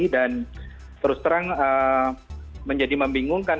dan terus terang menjadi membingungkan